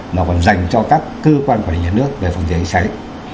mà còn dành cho các cơ quan quản lý nhà nước về phòng chế hệ cháy